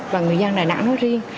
và người dân đà nẵng nói riêng